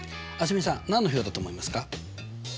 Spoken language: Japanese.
蒼澄さん何の表だと思いますか？